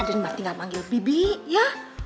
aden berarti gak panggil bibi ya